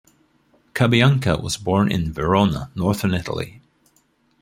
Cabianca was born in Verona, northern Italy.